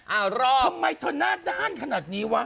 เอ้ารอบเธอน่านขนาดนี้วะ